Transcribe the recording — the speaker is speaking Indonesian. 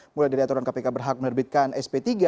mulai dari aturan kpk berhak menerbitkan sp tiga